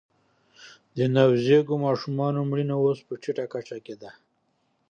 د نوزیږو ماشومانو مړینه اوس په ټیټه کچه کې ده